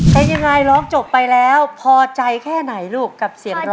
เป็นยังไงร้องจบไปแล้วพอใจแค่ไหนลูกกับเสียงร้อง